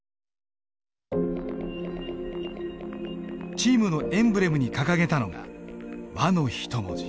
チームのエンブレムに掲げたのが「和」の１文字。